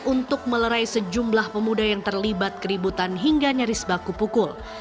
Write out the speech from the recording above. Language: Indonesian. untuk melerai sejumlah pemuda yang terlibat keributan hingga nyaris baku pukul